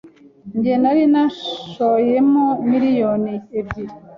njye nari nashoyemo miliyoni ebyiri